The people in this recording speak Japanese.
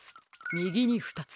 みぎにふたつ。